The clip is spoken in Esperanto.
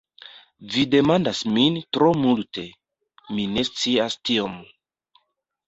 Vi demandas min tro multe; mi ne scias tiom.